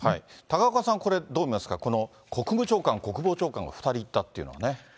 高岡さん、これ、どう見ますか、この国務長官、国防長官、２人行ったっていうのはね。